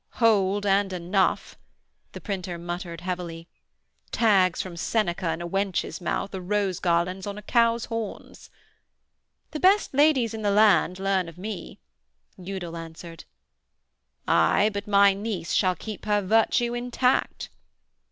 'Hold and enough,' the printer muttered heavily. 'Tags from Seneca in a wench's mouth are rose garlands on a cow's horns.' 'The best ladies in the land learn of me,' Udal answered. 'Aye, but my niece shall keep her virtue intact.'